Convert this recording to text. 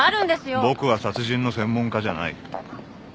僕は殺人の専門家じゃない。